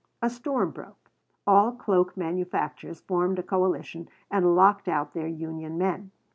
A storm broke. All cloak manufacturers formed a coalition and locked out their union men.